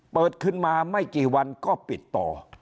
เปิดขึ้นมาไม่กี่วันก็ปิดต่อ